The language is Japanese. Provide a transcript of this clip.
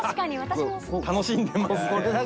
楽しんでますね。